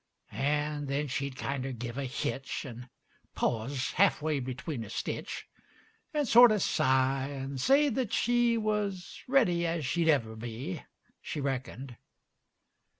And then she'd kinder give a hitch, And pause half way between a stitch. And sorter sigh, and say that she Was ready as she'd ever be. She reckoned.